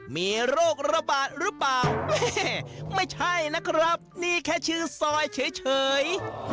มีโรคระบาดหรือเปล่าแม่ไม่ใช่นะครับนี่แค่ชื่อซอยเฉย